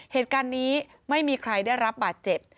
เหตุการณ์นี้ไม่มีใครได้รับบาดเจ็บ